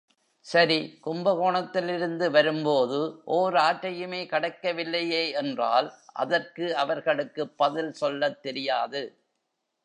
சரி, கும்பகோணத்திலிருந்து வரும்போது ஓர் ஆற்றையுமே கடக்கவில்லையே என்றால், அதற்கு அவர்களுக்குப் பதில் சொல்லத் தெரியாது.